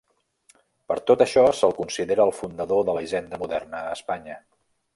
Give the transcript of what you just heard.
Per tot això se'l considera el fundador de la hisenda moderna a Espanya.